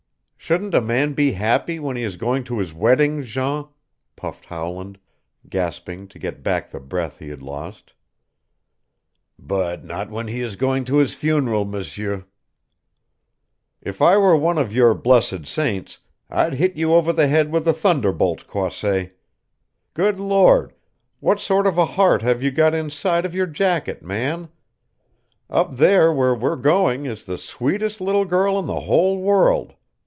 "Shouldn't a man be happy when he is going to his wedding, Jean?" puffed Howland, gasping to get back the breath he had lost. "But not when he's going to his funeral, M'seur." "If I were one of your blessed saints I'd hit you over the head with a thunderbolt, Croisset. Good Lord, what sort of a heart have you got inside of your jacket, man? Up there where we're going is the sweetest little girl in the whole world.